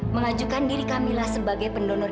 mengajukan diri kamilah sebagai pendonor